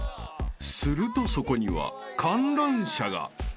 ［するとそこには観覧車が］